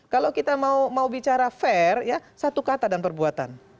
kalau kita mau bicara fair ya satu kata dan perbuatan